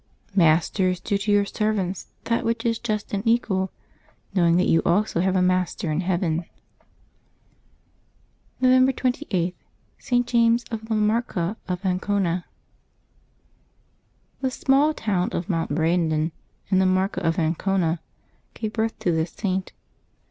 —" Masters, do to your servants that which is just and equal, knowing that you also have a Master in heaven." November 28.— ST. JAMES OF LA MARCA OF ANCONA. ^<HB small town of Montbrandon, in the Marca of An V / cona, gave birth to this Saint.